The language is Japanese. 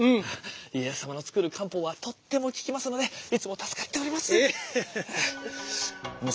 家康様の作る漢方はとっても効きますのでいつも助かっております。